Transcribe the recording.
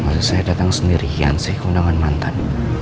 masih saya datang sendirian sih ke undangan mantan